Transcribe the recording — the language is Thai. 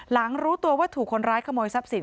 รู้ตัวว่าถูกคนร้ายขโมยทรัพย์สิน